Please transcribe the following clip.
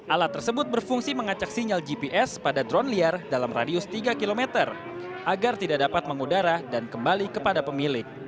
alat tersebut berfungsi mengacak sinyal gps pada drone liar dalam radius tiga km agar tidak dapat mengudara dan kembali kepada pemilik